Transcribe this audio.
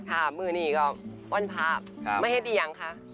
ท่าเมื่อเมืองี้วันพาปมาให้ดียังคะ